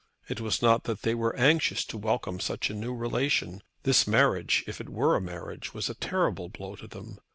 It was not that they were anxious to welcome such a new relation. This marriage, if it were a marriage, was a terrible blow to them.